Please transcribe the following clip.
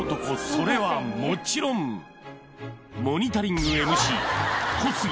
それはもちろん「モニタリング」